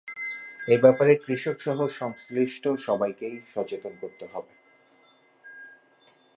এ ব্যাপারে কৃষকসহ সংশ্লিষ্ট সবাইকে সচেতন করতে হবে।